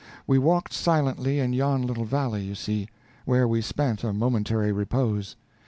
We walked silently in yon little valley you see, where we spent a momentary repose.